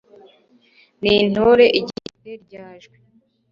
uri intore ugifite rya jwi